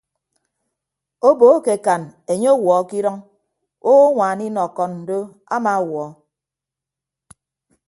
Obo akekan enye ọwuọ ke idʌñ owoñwaan inọkon do amawuọ.